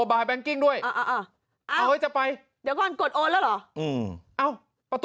เอาไว้ตอนกดอามอ่อ